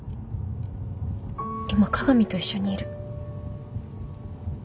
今加賀美と一緒にいる。